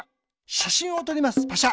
しゃしんをとりますパシャ。